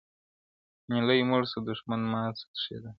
• نیلی مړ سو دښمن مات سو تښتېدلی -